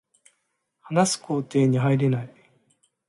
話す工程に入れない